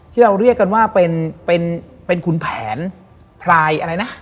ที่เราเรียกกันว่าเป็นขุนแผนพรายอะไรนะ